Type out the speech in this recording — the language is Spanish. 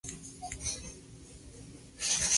En Canadá, Toronto.